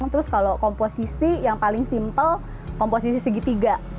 terus kalau komposisi yang paling simple komposisi segitiga